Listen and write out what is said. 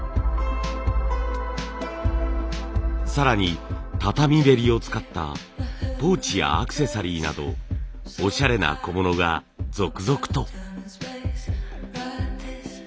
更に畳べりを使ったポーチやアクセサリーなどオシャレな小物が続々と。